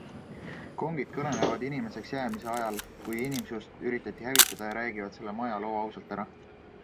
Kongid kõnelevad inimeseks jäämiseks ajal, kui inimsust üritati hävitada, ja räägivad selle maja loo ausalt ära.